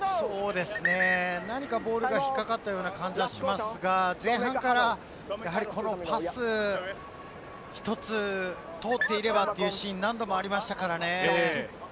何かボールが引っかかったような感じはしますが、前半からやはりこのパス１つ通っていればというシーン、何度もありましたからね。